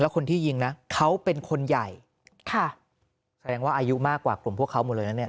คนที่ยิงนะเขาเป็นคนใหญ่ค่ะแสดงว่าอายุมากกว่ากลุ่มพวกเขาหมดเลยนะเนี่ย